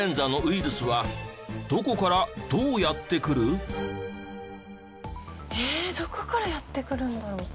そもそもええどこからやって来るんだろう？